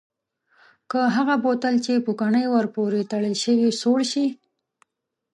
که هغه بوتل چې پوکڼۍ ور پورې تړل شوې سوړ شي؟